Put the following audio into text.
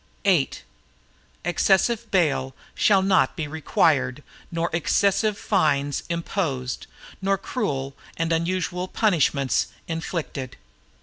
VIII Excessive bail shall not be required nor excessive fines imposed, nor cruel and unusual punishments inflicted.